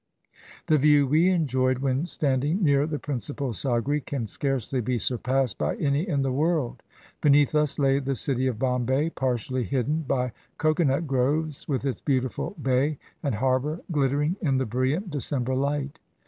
The view we enjoyed when stand ing near the principal Sagri can scarcely be surpassed by any in the world. Beneath us lay the city of Bombay partially hidden by cocoanut groves, with its beautiful bay and harbor glittering in the brilliant December light.